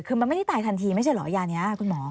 คือมันไม่ได้ตายทันทีไม่ใช่เหรอยานี้คุณหมอ